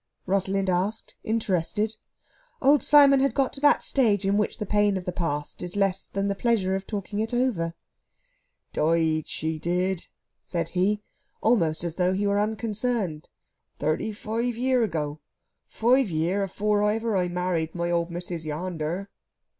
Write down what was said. Rosalind asked, interested. Old Simon had got to that stage in which the pain of the past is less than the pleasure of talking it over. "Died, she did," said he, almost as though he were unconcerned, "thirty five year ago five year afower ever I married my old missis yander."